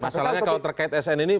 masalahnya kalau terkait sn ini